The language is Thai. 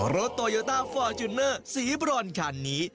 รถตอยโอตาฟอร์ชูเนอร์สีปรอนคันนี้